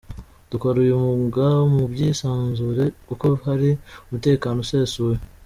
Dukora uyu mwuga mu byisanzure kuko hari umutekano usesuye.